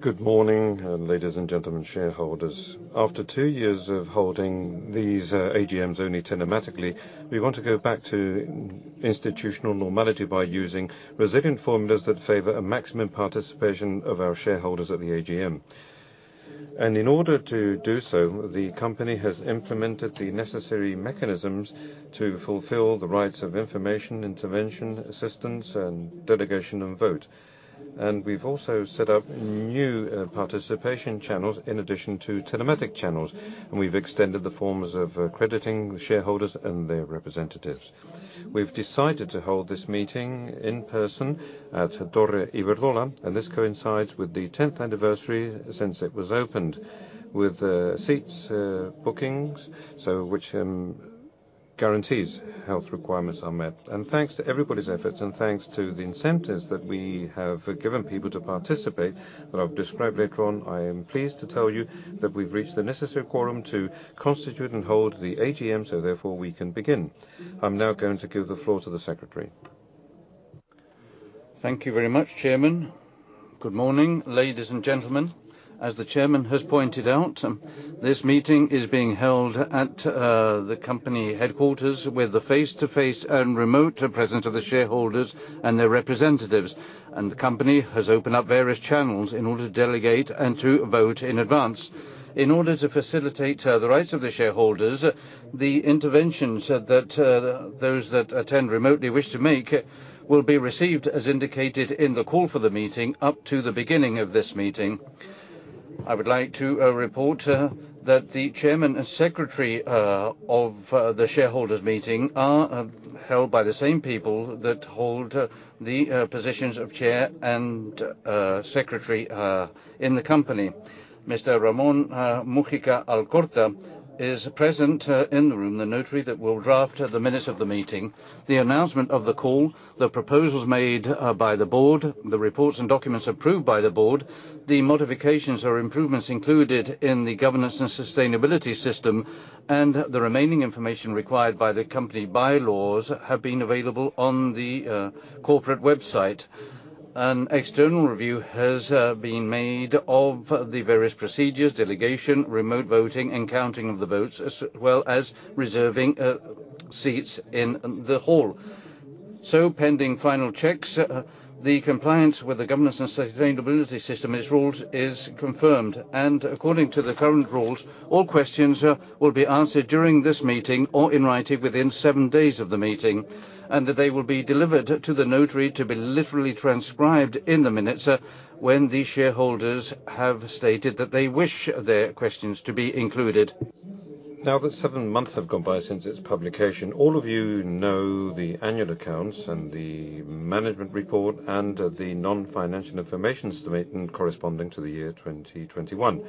Good morning ladies and gentlemen, shareholders. After two years of holding these AGMs only telematically, we want to go back to institutional normality by using resilient formulas that favor a maximum participation of our shareholders at the AGM. In order to do so, the company has implemented the necessary mechanisms to fulfill the rights of information, intervention, assistance, and delegation of vote. We've also set up new participation channels in addition to telematic channels, and we've extended the forms of crediting shareholders and their representatives. We've decided to hold this meeting in person at Torre Iberdrola, and this coincides with the tenth anniversary since it was opened. With seat bookings, which guarantees health requirements are met. Thanks to everybody's efforts and thanks to the incentives that we have given people to participate, that I'll describe later on, I am pleased to tell you that we've reached the necessary quorum to constitute and hold the AGM, so therefore we can begin. I'm now going to give the floor to the secretary. Thank you very much Chairman. Good morning ladies and gentlemen. As the Chairman has pointed out, this meeting is being held at the company headquarters with the face-to-face and remote presence of the shareholders and their representatives. The company has opened up various channels in order to delegate and to vote in advance. In order to facilitate the rights of the shareholders, the interventions that those that attend remotely wish to make will be received as indicated in the call for the meeting up to the beginning of this meeting. I would like to report that the Chairman and Secretary of the shareholders meeting are held by the same people that hold the positions of Chair and Secretary in the company. Mr. Ramón Múgica Alcorta is present in the room, the notary that will draft the minutes of the meeting. The announcement of the call, the proposals made by the board, the reports and documents approved by the board, the modifications or improvements included in the governance and sustainability system, and the remaining information required by the company bylaws have been available on the corporate website. An external review has been made of the various procedures, delegation, remote voting, and counting of the votes, as well as reserving seats in the hall. Pending final checks, the compliance with the governance and sustainability system is confirmed. According to the current rules, all questions will be answered during this meeting or in writing within seven days of the meeting, and that they will be delivered to the notary to be literally transcribed in the minutes when the shareholders have stated that they wish their questions to be included. Now that seven months have gone by since its publication, all of you know the annual accounts and the management report and the non-financial information statement corresponding to the year 2021.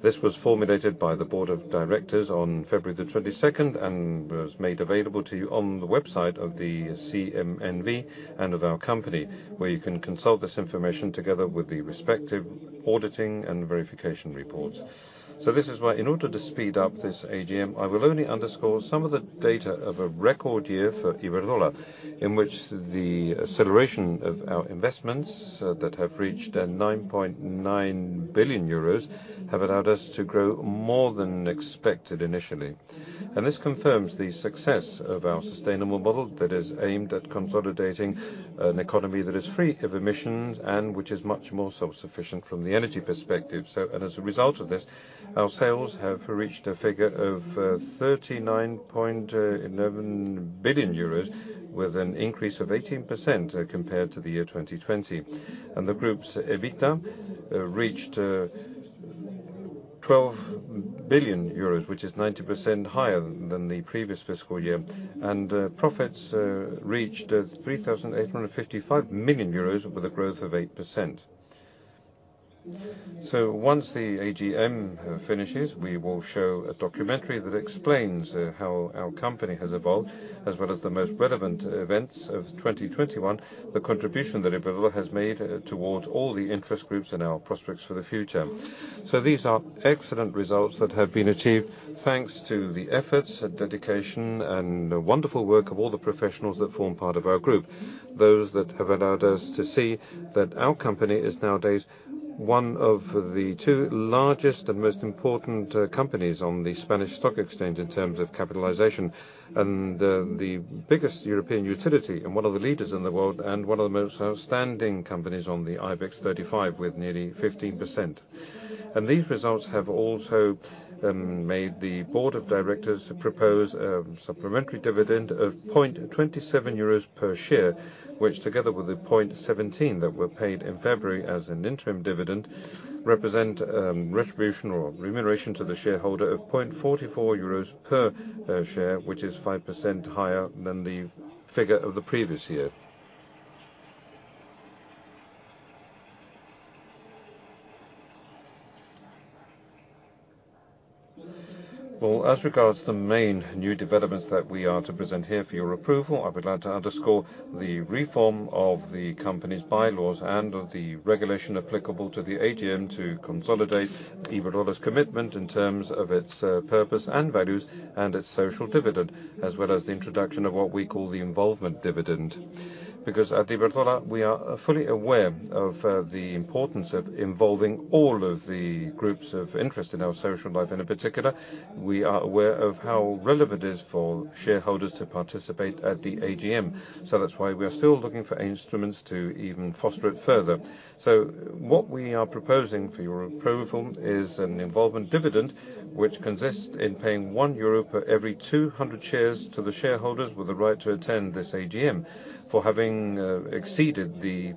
This was formulated by the board of directors on February 22nd and was made available to you on the website of the CNMV and of our company, where you can consult this information together with the respective auditing and verification reports. This is why, in order to speed up this AGM, I will only underscore some of the data of a record year for Iberdrola, in which the acceleration of our investments that have reached 9.9 billion euros have allowed us to grow more than expected initially. This confirms the success of our sustainable model that is aimed at consolidating an economy that is free of emissions and which is much more self-sufficient from the energy perspective. As a result of this, our sales have reached a figure of 39.11 billion euros with an increase of 18%, compared to the year 2020. The group's EBITDA reached 12 billion euros, which is 90% higher than the previous fiscal year. Profits reached 3,855 million euros with a growth of 8%. Once the AGM finishes, we will show a documentary that explains how our company has evolved, as well as the most relevant events of 2021, the contribution that Iberdrola has made towards all the interest groups and our prospects for the future. These are excellent results that have been achieved thanks to the efforts and dedication and the wonderful work of all the professionals that form part of our group. Those that have allowed us to see that our company is nowadays one of the two largest and most important companies on the Spanish stock exchange in terms of capitalization, and the biggest European utility and one of the leaders in the world, and one of the most outstanding companies on the IBEX 35, with nearly 15%. These results have also made the board of directors propose a supplementary dividend of 0.27 euros per share, which together with the 0.17 that were paid in February as an interim dividend, represent retribution or remuneration to the shareholder of 0.44 euros per share, which is 5% higher than the figure of the previous year. Well, as regards to the main new developments that we are to present here for your approval, I would like to underscore the reform of the company's bylaws and of the regulation applicable to the AGM to consolidate Iberdrola's commitment in terms of its purpose and values and its social dividend, as well as the introduction of what we call the involvement dividend. Because at Iberdrola, we are fully aware of the importance of involving all of the groups of interest in our social life. In particular, we are aware of how relevant it is for shareholders to participate at the AGM. That's why we are still looking for instruments to even foster it further. What we are proposing for your approval is an involvement dividend, which consists in paying 1 euro per every 200 shares to the shareholders with the right to attend this AGM for having exceeded the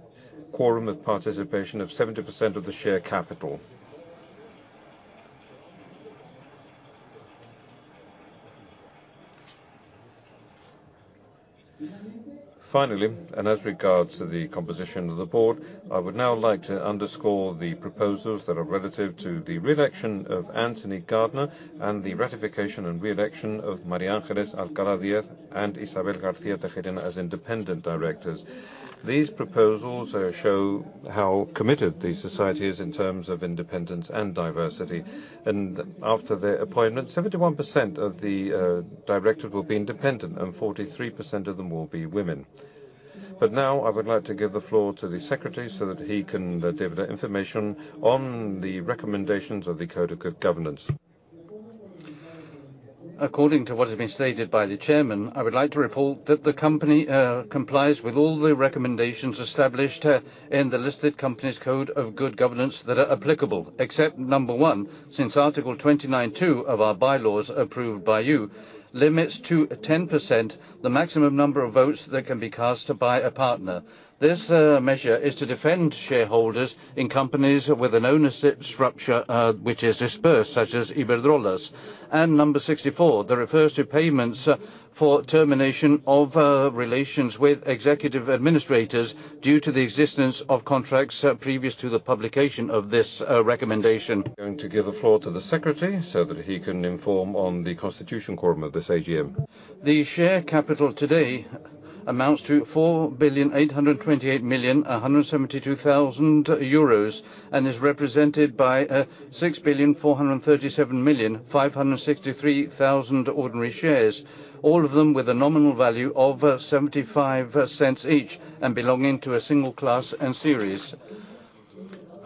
quorum of participation of 70% of the share capital. Finally, and as regards to the composition of the board, I would now like to underscore the proposals that are relative to the reelection of Anthony L. Gardner and the ratification and reelection of María Ángeles Alcalá Díaz and Isabel García Tejerina as independent directors. These proposals show how committed the company is in terms of independence and diversity. After their appointment, 71% of the directors will be independent, and 43% of them will be women. Now I would like to give the floor to the secretary so that he can give the information on the recommendations of the Code of Good Governance. According to what has been stated by the Chairman, I would like to report that the company complies with all the recommendations established in the Good Governance Code of Listed Companies that are applicable. Except number 1, since Article 29.2 of our bylaws approved by you limits to 10% the maximum number of votes that can be cast by a partner. This measure is to defend shareholders in companies with an ownership structure which is dispersed, such as Iberdrola's. Number 64 refers to payments for termination of relations with executive administrators due to the existence of contracts previous to the publication of this recommendation. Going to give the floor to the secretary so that he can inform on the constitution quorum of this AGM. The share capital today amounts to 4,828,172,000 euros and is represented by 6,437,563,000 ordinary shares. All of them with a nominal value of 0.75 each and belonging to a single class and series.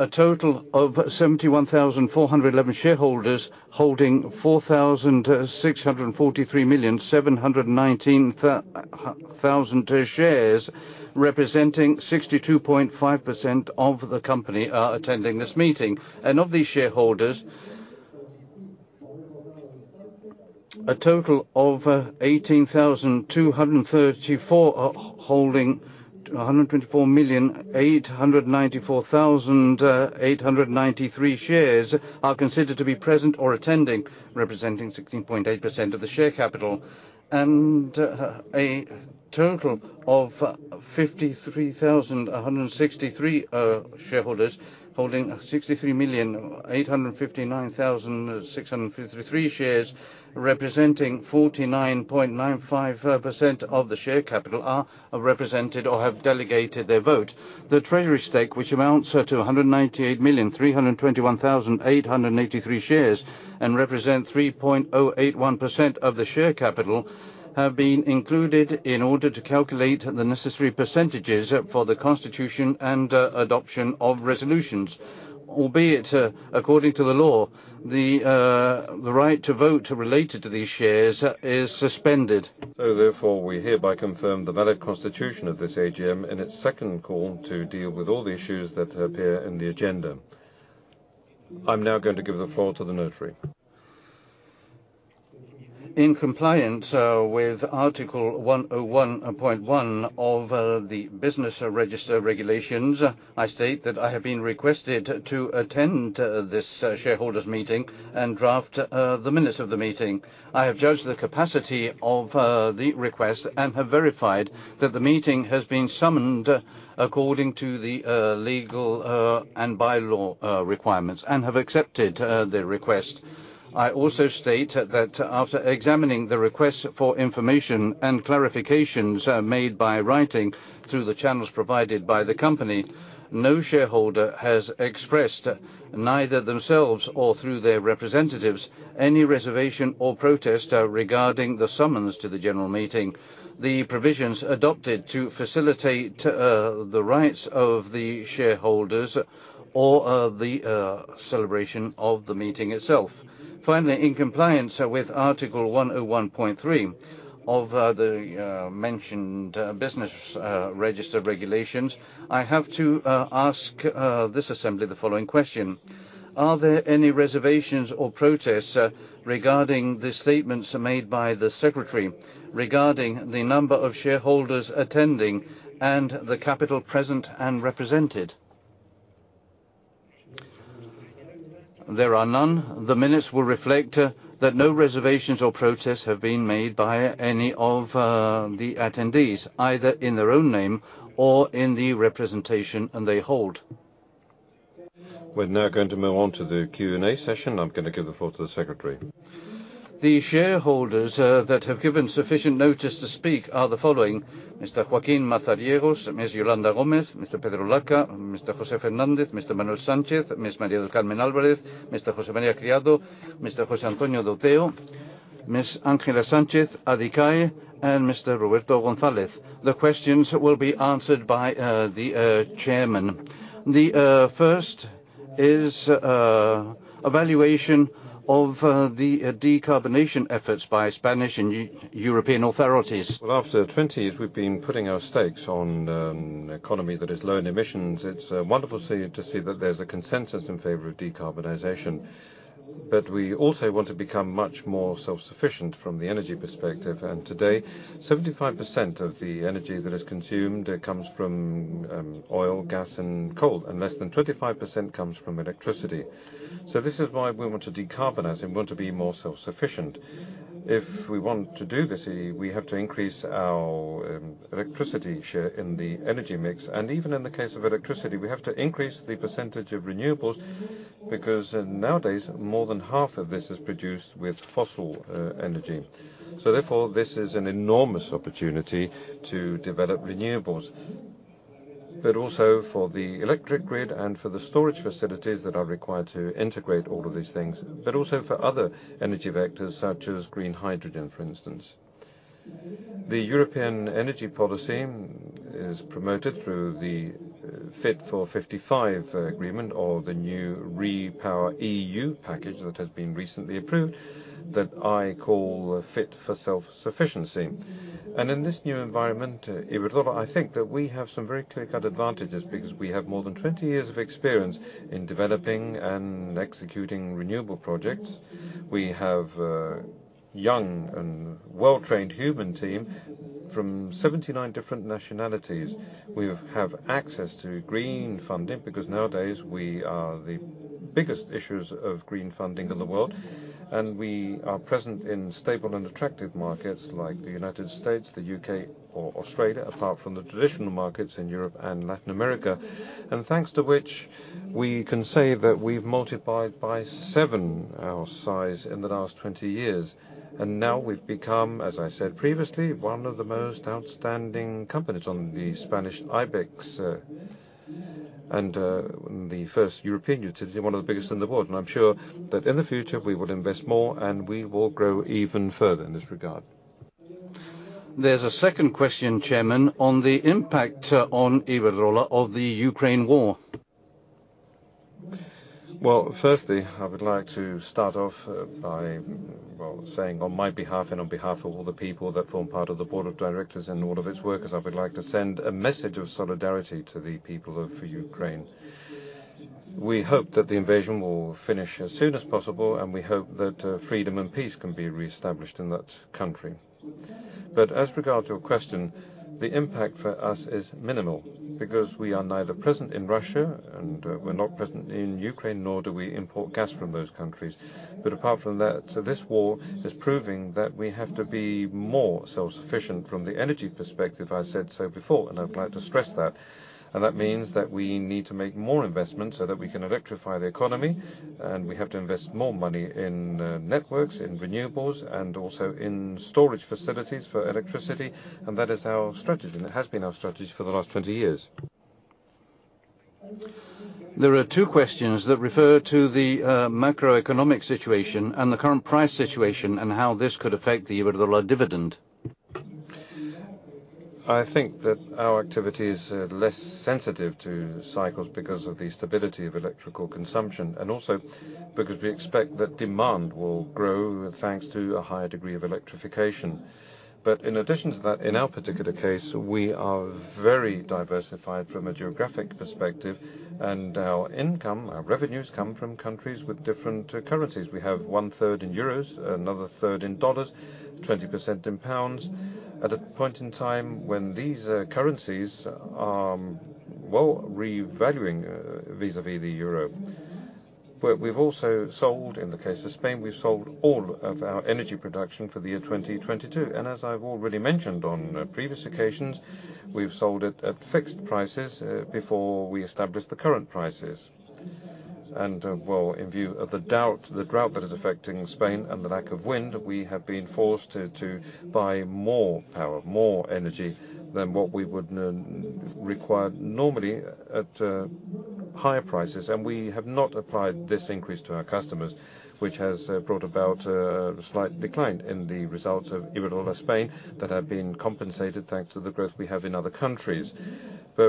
A total of 71,411 shareholders holding 4,643,719,000 shares, representing 62.5% of the company are attending this meeting. Of these shareholders, a total of 18,234 are holding 124,894,893 shares are considered to be present or attending, representing 16.8% of the share capital. A total of 53,163 shareholders holding 63,859,653 shares, representing 49.95% of the share capital are represented or have delegated their vote. The treasury stake, which amounts to 198,321,883 shares and represent 3.081% of the share capital, have been included in order to calculate the necessary percentages for the constitution and adoption of resolutions. Albeit, according to the law, the right to vote related to these shares is suspended. We hereby confirm the valid constitution of this AGM in its second quorum to deal with all the issues that appear in the agenda. I'm now going to give the floor to the notary. In compliance with Article 101.1 of the Commercial Register Regulations, I state that I have been requested to attend this shareholders' meeting and draft the minutes of the meeting. I have judged the capacity of the request and have verified that the meeting has been summoned according to the legal and bylaw requirements, and have accepted the request. I also state that after examining the request for information and clarifications made in writing through the channels provided by the company, no shareholder has expressed, neither themselves or through their representatives, any reservation or protest regarding the summons to the general meeting. The provisions adopted to facilitate the rights of the shareholders or the celebration of the meeting itself. Finally, in compliance with Article 101.3 of the mentioned Commercial Register Regulations, I have to ask this assembly the following question. Are there any reservations or protests regarding the statements made by the secretary regarding the number of shareholders attending and the capital present and represented? There are none. The minutes will reflect that no reservations or protests have been made by any of the attendees, either in their own name or in the representation they hold. We're now going to move on to the Q&A session. I'm gonna give the floor to the secretary. The shareholders that have given sufficient notice to speak are the following: Mr. Joaquín Mazariegos, Ms. Yolanda Gómez, Mr. Pedro Azcárate, Mr. José Antonio Fernández, Mr. Manuel Sánchez-Monasterio, Ms. María del Carmen Álvarez-Linera, Mr. José María Criado, Mr. José Antonio Dateo, Ms. Ángela Sánchez Adicai, and Mr. Roberto González. The questions will be answered by the chairman. The first is evaluation of the decarbonization efforts by Spanish and European authorities. Well after 20 years, we've been putting our stakes on economy that is low in emissions. It's wonderful to see that there's a consensus in favor of decarbonization. We also want to become much more self-sufficient from the energy perspective. Today, 75% of the energy that is consumed, it comes from oil, gas and coal, and less than 25% comes from electricity. This is why we want to decarbonize and want to be more self-sufficient. If we want to do this, we have to increase our electricity share in the energy mix. Even in the case of electricity, we have to increase the percentage of renewables because nowadays, more than half of this is produced with fossil energy. Therefore, this is an enormous opportunity to develop renewables. Also for the electric grid and for the storage facilities that are required to integrate all of these things, but also for other energy vectors, such as green hydrogen, for instance. The European energy policy is promoted through the Fit for 55 agreement or the new REPowerEU package that has been recently approved, that I call Fit for Self-Sufficiency. In this new environment, Iberdrola, I think that we have some very clear-cut advantages because we have more than 20 years of experience in developing and executing renewable projects. We have a young and well-trained human team from 79 different nationalities. We have access to green funding because nowadays we are the biggest issuers of green funding in the world, and we are present in stable and attractive markets like the United States, the U.K. or Australia, apart from the traditional markets in Europe and Latin America. Thanks to which we can say that we've multiplied by 7 our size in the last 20 years. Now we've become, as I said previously, one of the most outstanding companies on the Spanish IBEX, and the first European utility, one of the biggest in the world. I'm sure that in the future we will invest more, and we will grow even further in this regard. There's a second question, Chairman, on the impact on Iberdrola of the Ukraine War. Well, firstly, I would like to start off by, well, saying on my behalf and on behalf of all the people that form part of the board of directors and all of its workers, I would like to send a message of solidarity to the people of Ukraine. We hope that the invasion will finish as soon as possible, and we hope that freedom and peace can be reestablished in that country. As regards your question, the impact for us is minimal because we are neither present in Russia, and we're not present in Ukraine, nor do we import gas from those countries. Apart from that, this war is proving that we have to be more self-sufficient from the energy perspective. I said so before, and I'd like to stress that. That means that we need to make more investments so that we can electrify the economy, and we have to invest more money in, networks, in renewables, and also in storage facilities for electricity. That is our strategy, and it has been our strategy for the last 20 years. There are two questions that refer to the macroeconomic situation and the current price situation and how this could affect the Iberdrola dividend. I think that our activity is less sensitive to cycles because of the stability of electrical consumption, and also because we expect that demand will grow, thanks to a higher degree of electrification. In addition to that, in our particular case, we are very diversified from a geographic perspective, and our income, our revenues come from countries with different currencies. We have 1/3 in EUR, another 1/3 in USD, 20% in GBP. At a point in time when these currencies are revaluing vis-à-vis the euro. We've also sold all of our energy production for the year 2022. As I've already mentioned on previous occasions, we've sold it at fixed prices before we established the current prices. In view of the drought that is affecting Spain and the lack of wind, we have been forced to buy more power, more energy than what we would not require normally at higher prices. We have not applied this increase to our customers, which has brought about a slight decline in the results of Iberdrola Spain that have been compensated thanks to the growth we have in other countries.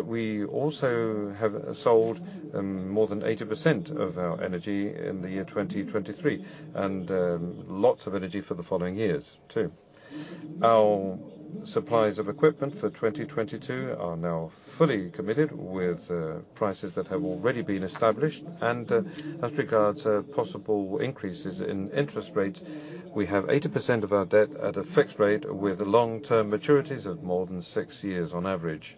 We also have sold more than 80% of our energy in the year 2023, and lots of energy for the following years too. Our supplies of equipment for 2022 are now fully committed with prices that have already been established. As regards possible increases in interest rates, we have 80% of our debt at a fixed rate with long-term maturities of more than six years on average.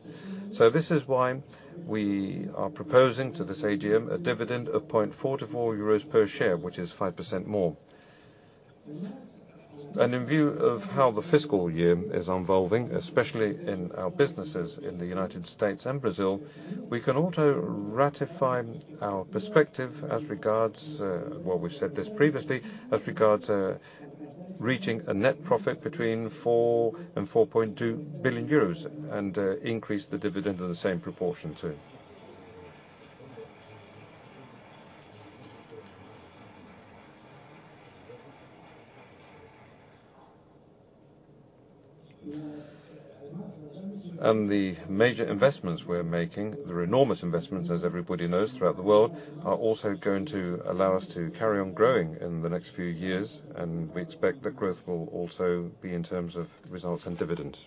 This is why we are proposing to this AGM a dividend of 0.44 euros per share, which is 5% more. In view of how the fiscal year is evolving, especially in our businesses in the United States and Brazil, we can also ratify our prospects as regards, well, we've said this previously, as regards reaching a net profit between 4 and 4.2 billion euros, and increase the dividend in the same proportion, too. The major investments we're making, they're enormous investments, as everybody knows, throughout the world, are also going to allow us to carry on growing in the next few years, and we expect that growth will also be in terms of results and dividends.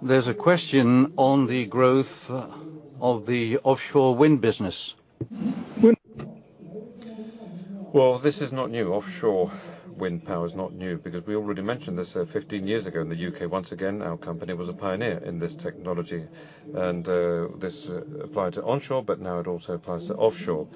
There's a question on the growth of the offshore wind business. Well this is not new. Offshore wind power is not new because we already mentioned this, 15 years ago in the U.K.. Once again, our company was a pioneer in this technology. This applied to onshore, but now it also applies to offshore.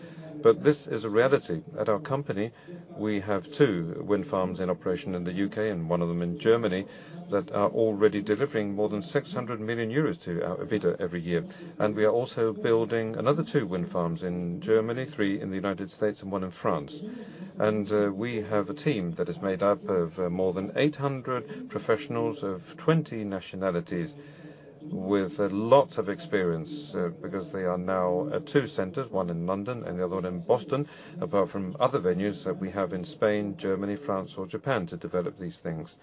This is a reality. At our company, we have 2 wind farms in operation in the U.K. and one of them in Germany that are already delivering more than 600 million euros to our EBITDA every year. We are also building another 2 wind farms in Germany, 3 in the United States, and 1 in France. We have a team that is made up of more than 800 professionals of 20 nationalities with lots of experience because they are now at two centers, one in London and the other one in Boston, apart from other venues that we have in Spain, Germany, France or Japan to develop these things.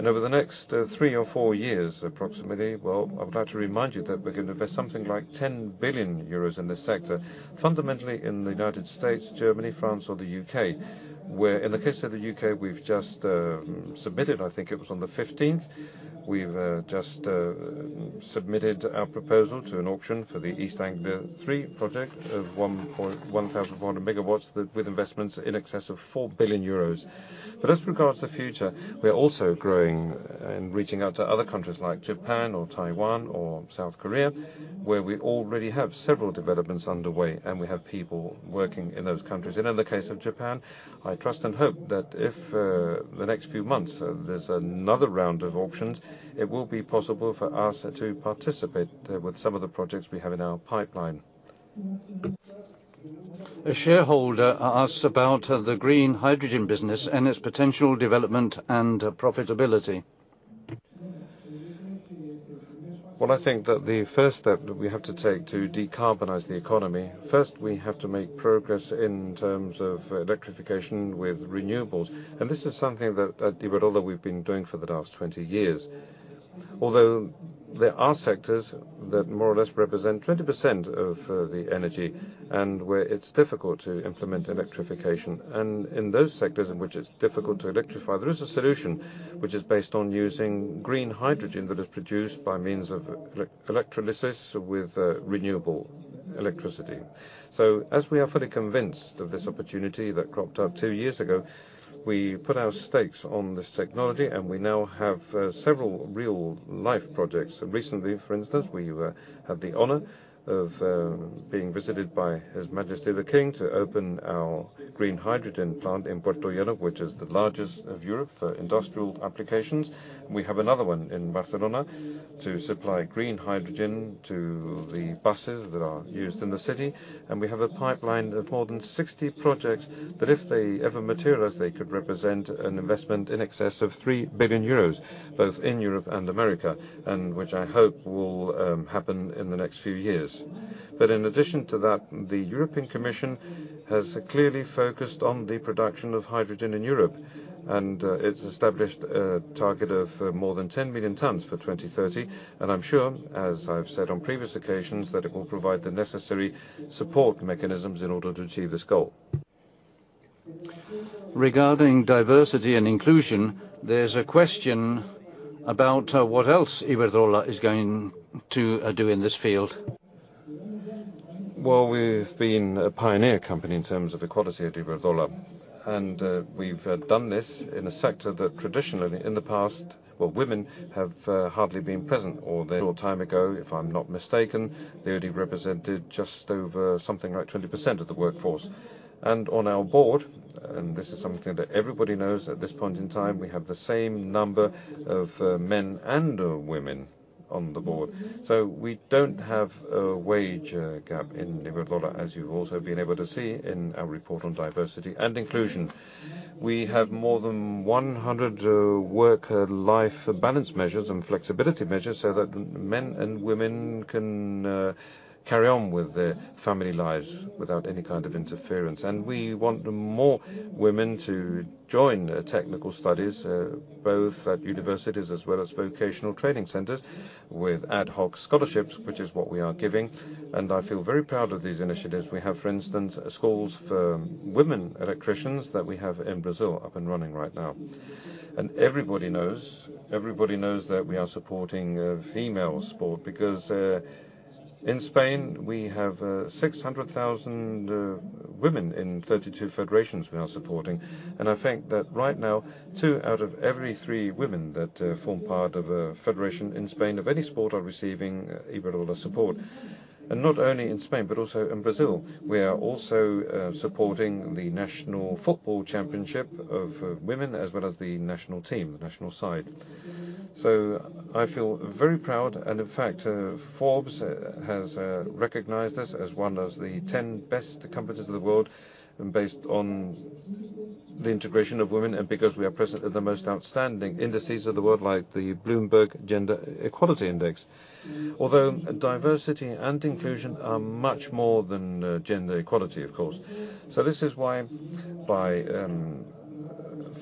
Over the next 3 or 4 years, approximately, well, I'm glad to remind you that we're gonna invest something like 10 billion euros in this sector, fundamentally in the United States, Germany, France or the U.K. In the case of the U.K., we've just submitted, I think it was on the fifteenth, our proposal to an auction for the East Anglia Three project of 1,000 MW with investments in excess of 4 billion euros. As regards to the future, we are also growing and reaching out to other countries like Japan or Taiwan or South Korea, where we already have several developments underway, and we have people working in those countries. In the case of Japan, I trust and hope that if in the next few months, there's another round of auctions, it will be possible for us to participate with some of the projects we have in our pipeline. A shareholder asks about the green hydrogen business and its potential development and profitability. Well, I think that the first step that we have to take to decarbonize the economy, first, we have to make progress in terms of electrification with renewables. This is something that at Iberdrola we've been doing for the last 20 years. Although there are sectors that more or less represent 20% of the energy and where it's difficult to implement electrification. In those sectors in which it's difficult to electrify, there is a solution which is based on using green hydrogen that is produced by means of electrolysis with renewable electricity. As we are fully convinced of this opportunity that cropped up two years ago, we put our stakes on this technology, and we now have several real-life projects. Recently, for instance, we had the honor of being visited by His Majesty the King to open our green hydrogen plant in Puertollano, which is the largest of Europe for industrial applications. We have another one in Barcelona to supply green hydrogen to the buses that are used in the city. We have a pipeline of more than 60 projects that if they ever materialize, they could represent an investment in excess of 3 billion euros, both in Europe and America, and which I hope will happen in the next few years. In addition to that, the European Commission has clearly focused on the production of hydrogen in Europe, and it's established a target of more than 10 million tons for 2030. I'm sure, as I've said on previous occasions, that it will provide the necessary support mechanisms in order to achieve this goal. Regarding diversity and inclusion, there's a question about what else Iberdrola is going to do in this field. Well, we've been a pioneer company in terms of equality at Iberdrola, and we've done this in a sector that traditionally in the past, well, women have hardly been present or a time ago, if I'm not mistaken, they only represented just over something like 20% of the workforce. On our board, and this is something that everybody knows at this point in time, we have the same number of men and women on the board. We don't have a wage gap in Iberdrola, as you've also been able to see in our report on diversity and inclusion. We have more than 100 work-life balance measures and flexibility measures so that men and women can carry on with their family lives without any kind of interference. We want more women to join technical studies both at universities as well as vocational training centers with ad hoc scholarships, which is what we are giving. I feel very proud of these initiatives. We have, for instance, schools for women electricians that we have in Brazil up and running right now. Everybody knows that we are supporting female sport because in Spain, we have 600,000 women in 32 federations we are supporting. I think that right now, two out of every three women that form part of a federation in Spain of any sport are receiving Iberdrola support. Not only in Spain, but also in Brazil. We are also supporting the national football championship of women, as well as the national team, the national side. I feel very proud, and in fact, Forbes has recognized us as one of the 10 best companies in the world based on the integration of women and because we are present at the most outstanding indices of the world, like the Bloomberg Gender-Equality Index. Although diversity and inclusion are much more than gender equality, of course. This is why by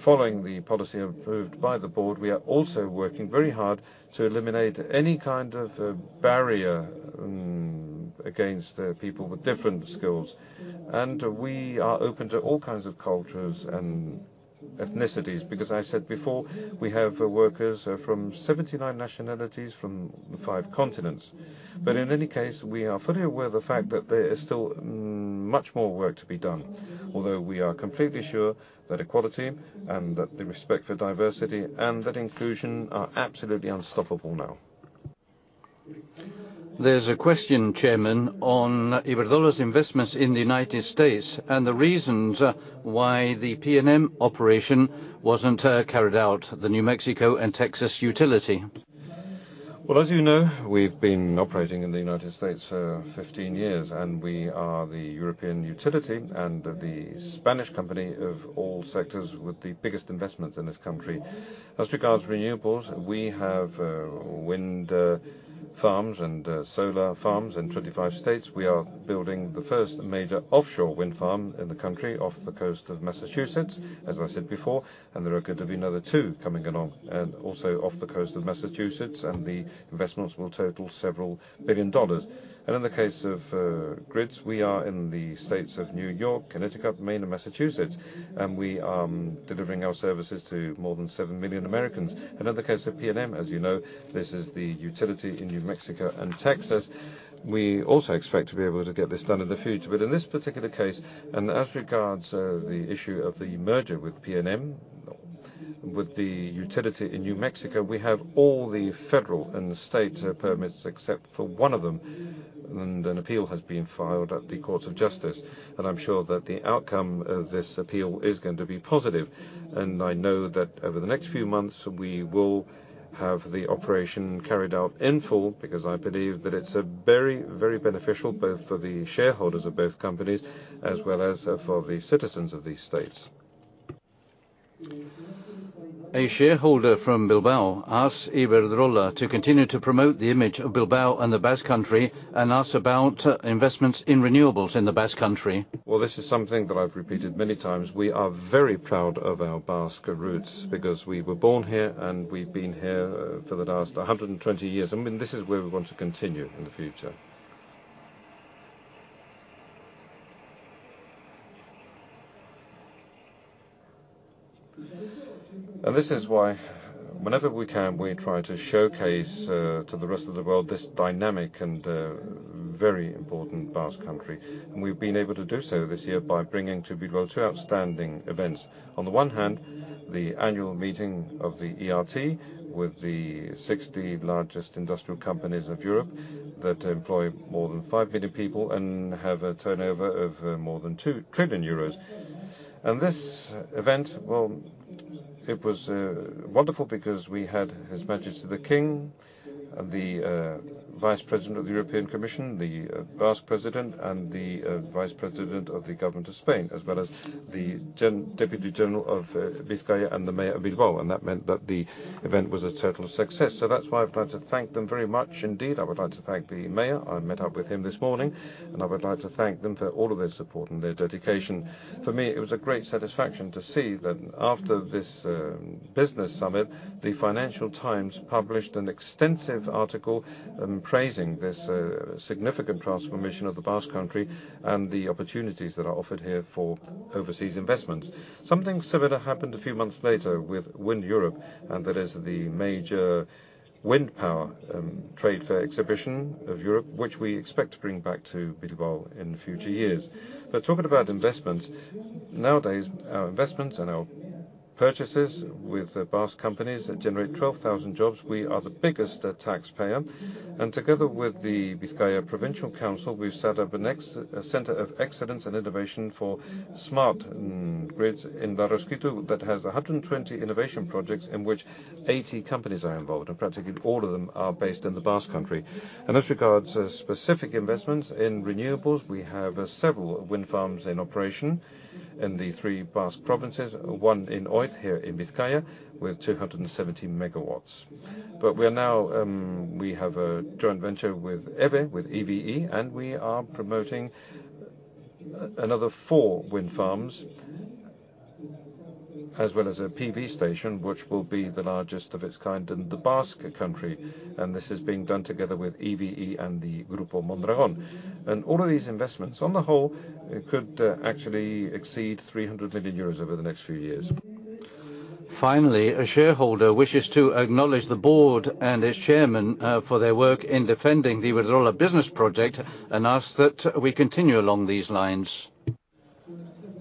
following the policy approved by the board, we are also working very hard to eliminate any kind of barrier against people with different skills. We are open to all kinds of cultures and ethnicities, because as I said before, we have workers from 79 nationalities from five continents. In any case, we are fully aware of the fact that there is still much more work to be done. Although we are completely sure that equality and that the respect for diversity and that inclusion are absolutely unstoppable now. There's a question, Chairman, on Iberdrola's investments in the United States and the reasons why the PNM operation wasn't carried out, the New Mexico and Texas utility. Well, as you know, we've been operating in the United States for 15 years, and we are the European utility and the Spanish company of all sectors with the biggest investments in this country. As regards renewables, we have wind farms and solar farms in 25 states. We are building the first major offshore wind farm in the country off the coast of Massachusetts, as I said before. There are going to be another two coming along, and also off the coast of Massachusetts, and the investments will total several billion dollars. In the case of grids, we are in the states of New York, Connecticut, Maine, and Massachusetts. We are delivering our services to more than 7 million Americans. Another case of PNM, as you know, this is the utility in New Mexico and Texas. We also expect to be able to get this done in the future. In this particular case, and as regards the issue of the merger with PNM, with the utility in New Mexico, we have all the federal and state permits, except for one of them, and an appeal has been filed at the Courts of Justice. I'm sure that the outcome of this appeal is going to be positive. I know that over the next few months, we will have the operation carried out in full because I believe that it's very, very beneficial both for the shareholders of both companies as well as for the citizens of these states. A shareholder from Bilbao asks Iberdrola to continue to promote the image of Bilbao and the Basque Country and asks about investments in renewables in the Basque Country. Well, this is something that I've repeated many times. We are very proud of our Basque roots because we were born here and we've been here for the last 120 years. I mean, this is where we want to continue in the future. This is why whenever we can, we try to showcase to the rest of the world this dynamic and very important Basque Country. We've been able to do so this year by bringing to Bilbao two outstanding events. On the one hand, the annual meeting of the ERT with the 60 largest industrial companies of Europe that employ more than 5 million people and have a turnover of more than 2 trillion euros. This event, well, it was wonderful because we had His Majesty the King, the Vice President of the European Commission, the Basque President, and the Vice President of the Government of Spain, as well as the Deputy General of Vizcaya and the Mayor of Bilbao. That meant that the event was a total success. That's why I plan to thank them very much indeed. I would like to thank the mayor. I met up with him this morning, and I would like to thank them for all of their support and their dedication. For me, it was a great satisfaction to see that after this business summit, the Financial Times published an extensive article, praising this significant transformation of the Basque Country and the opportunities that are offered here for overseas investments. Something similar happened a few months later with WindEurope, and that is the major wind power trade fair exhibition of Europe, which we expect to bring back to Bilbao in future years. Talking about investment, nowadays, our investments and our purchases with Basque companies generate 12,000 jobs. We are the biggest taxpayer. Together with the Provincial Council of Biscay, we've set up a center of excellence and innovation for smart grids in Larraskitu that has 120 innovation projects in which 80 companies are involved, and practically all of them are based in the Basque Country. As regards specific investments in renewables, we have several wind farms in operation in the three Basque provinces, one in Oiz, here in Biscay, with 217 MW. We are now, we have a joint venture with EVE, and we are promoting another 4 wind farms, as well as a PV station, which will be the largest of its kind in the Basque Country. This is being done together with EVE and the Mondragon Corporation. All of these investments on the whole could actually exceed 300 million euros over the next few years. Finally, a shareholder wishes to acknowledge the board and its chairman for their work in defending the Iberdrola business project, and asks that we continue along these lines.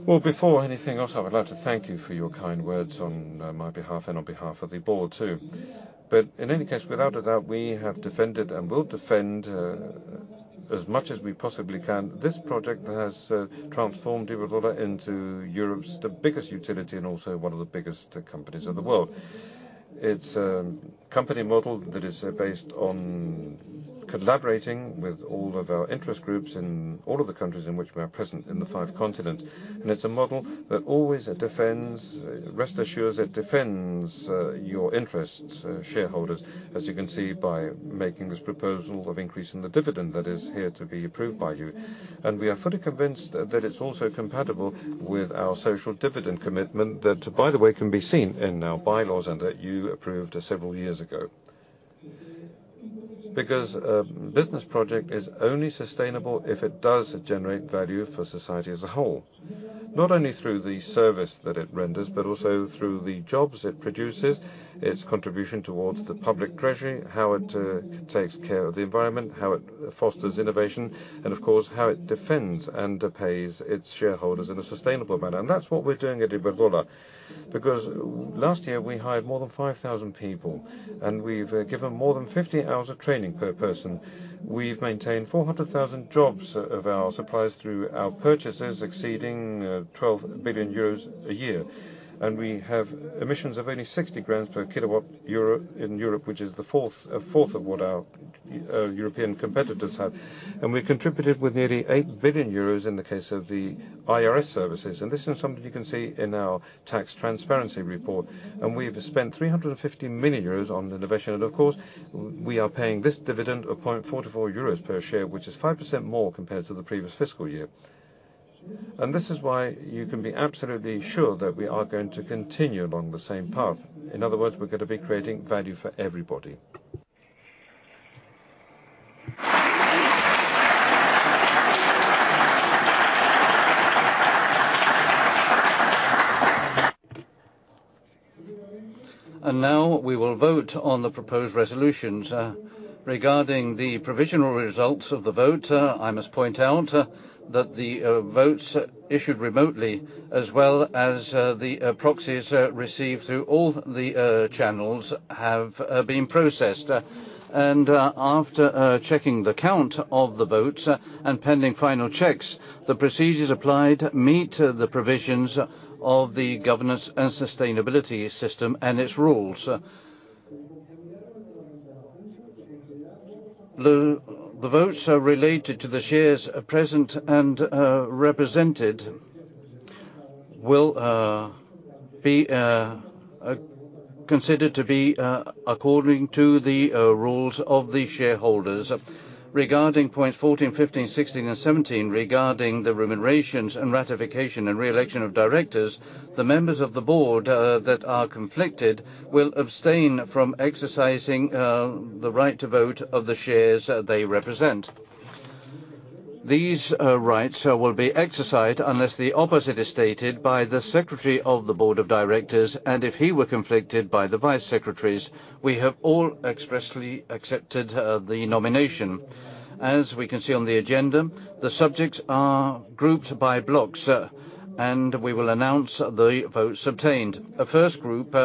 Well, before anything else, I would like to thank you for your kind words on my behalf and on behalf of the board too. In any case, without a doubt, we have defended and will defend as much as we possibly can. This project has transformed Iberdrola into Europe's the biggest utility and also one of the biggest companies in the world. It's a company model that is based on collaborating with all of our interest groups in all of the countries in which we are present in the five continents, and it's a model that always defends. Rest assured it defends your interests, shareholders, as you can see, by making this proposal of increasing the dividend that is here to be approved by you. We are fully convinced that it's also compatible with our social dividend commitment that, by the way, can be seen in our bylaws and that you approved several years ago. Because a business project is only sustainable if it does generate value for society as a whole, not only through the service that it renders, but also through the jobs it produces, its contribution towards the public treasury, how it takes care of the environment, how it fosters innovation, and of course, how it defends and pays its shareholders in a sustainable manner. That's what we're doing at Iberdrola. Because last year, we hired more than 5,000 people, and we've given more than 50 hours of training per person. We've maintained 400,000 jobs of our suppliers through our purchases exceeding 12 billion euros a year. We have emissions of only 60 grams per kilowatt-hour in Europe, which is a fourth of what our European competitors have. We contributed with nearly 8 billion euros in the case of the IRS services, and this is something you can see in our tax transparency report. We've spent 350 million euros on innovation, and of course, we are paying this dividend of 0.44 euros per share, which is 5% more compared to the previous fiscal year. This is why you can be absolutely sure that we are going to continue along the same path. In other words, we're gonna be creating value for everybody. Now we will vote on the proposed resolutions. Regarding the provisional results of the vote, I must point out that the votes issued remotely as well as the proxies received through all the channels have been processed. After checking the count of the votes and pending final checks, the procedures applied meet the provisions of the governance and sustainability system and its rules. The votes are related to the shares present and represented will be considered to be according to the rules of the shareholders. Regarding points 14, 15, 16, and 17, regarding the remunerations and ratification and reelection of directors, the members of the board that are conflicted will abstain from exercising the right to vote of the shares that they represent. These rights will be exercised unless the opposite is stated by the Secretary of the Board of Directors, and if he were conflicted by the Vice Secretaries, we have all expressly accepted the nomination. As we can see on the agenda, the subjects are grouped by blocks, and we will announce the votes obtained. A first group,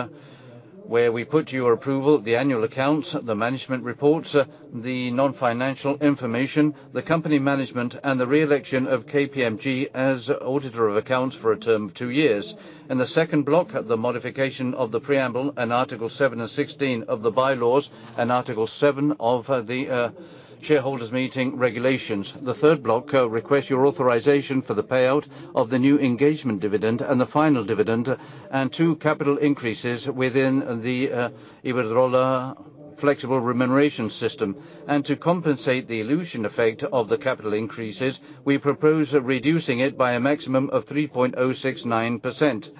where we put your approval, the annual accounts, the management reports, the non-financial information, the company management, and the reelection of KPMG as Auditor of Accounts for a term of 2 years. In the second block, the modification of the Preamble and Article 7 and 16 of the bylaws and Article 7 of the Shareholders' Meeting Regulations. The third block request your authorization for the payout of the new engagement dividend and the final dividend and two capital increases within the Iberdrola flexible remuneration system. To compensate the dilution effect of the capital increases, we propose reducing it by a maximum of 3.069%.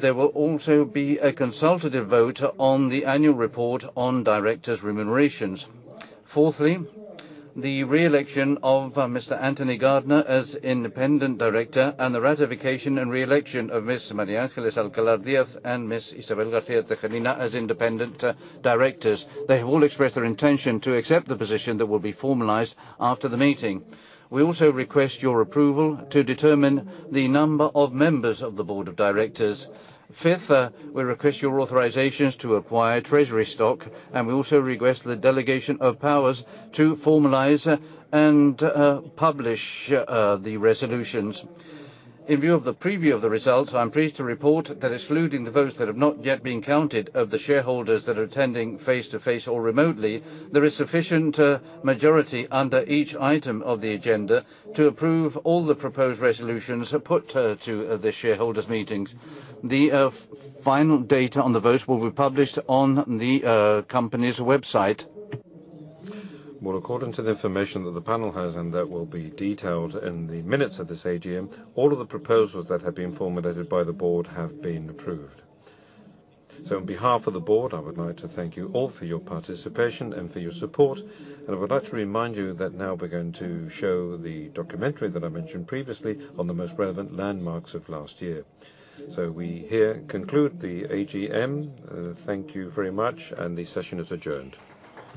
There will also be a consultative vote on the annual report on directors' remunerations. Fourthly, the reelection of Mr. Anthony L. Gardner as Independent Director and the ratification and reelection of Ms. María Ángeles Alcalá Díaz and Ms. Isabel García Tejerina as Independent Directors. They have all expressed their intention to accept the position that will be formalized after the meeting. We also request your approval to determine the number of members of the board of directors. Fifth, we request your authorizations to acquire treasury stock, and we also request the delegation of powers to formalize and publish the resolutions. In view of the review of the results, I'm pleased to report that excluding the votes that have not yet been counted of the shareholders that are attending face-to-face or remotely, there is sufficient majority under each item of the agenda to approve all the proposed resolutions put to the shareholders meetings. The final data on the vote will be published on the company's website. Well, according to the information that the panel has and that will be detailed in the minutes of this AGM, all of the proposals that have been formulated by the board have been approved. On behalf of the board, I would like to thank you all for your participation and for your support. I would like to remind you that now we're going to show the documentary that I mentioned previously on the most relevant landmarks of last year. We here conclude the AGM. Thank you very much, and the session is adjourned.